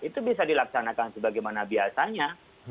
itu bisa dilaksanakan sebagaimana biasanya